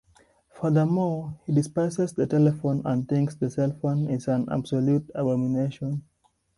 Furthermore, he despises the telephone and thinks the cellphone is "an absolute abomination"